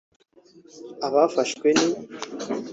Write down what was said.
Abafashwe ni